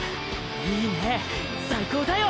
いいね最高だよ！！